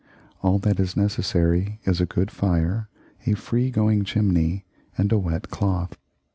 All that is necessary is a good fire, a free going chimney, and a wet cloth.